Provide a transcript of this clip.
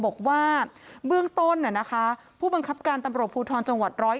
บอกว่าเบื้องต้นผู้บังคับการตำรวจภูทรจังหวัด๑๐๑